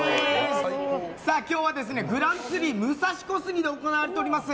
今日はグランツリー武蔵小杉で行われております